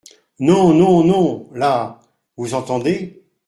Non ! non ! non ! là… vous entendez ?